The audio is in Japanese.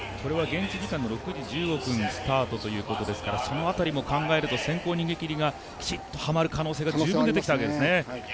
現地時間６時１５分スタートということですからその辺りも考えると先行逃げきりがきちっとはまる可能性が十分に出てきたわけですね。